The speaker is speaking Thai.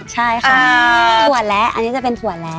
ใช่ค่ะถั่วแล้วอันนี้จะเป็นถั่วแล้ว